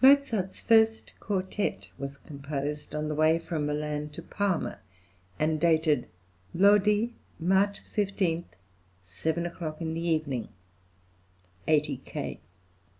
Mozart's first quartet was composed on the way from Milan to Parma, and dated Lodi, March 15, 7 o'clock in the evening (80 K.).